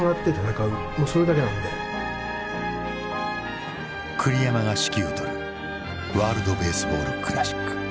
栗山が指揮をとるワールド・ベースボール・クラシック。